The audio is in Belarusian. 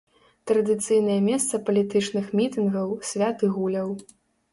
Традыцыйнае месца палітычных мітынгаў, свят і гуляў.